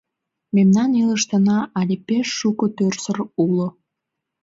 Мемнан илышыштына але пеш шуко тӧрсыр уло...